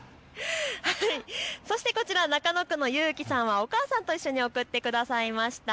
中野区の由樹さんはお母さんと一緒に送ってくださいました。